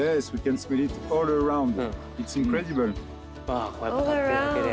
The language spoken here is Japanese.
ああこうやって立ってるだけで。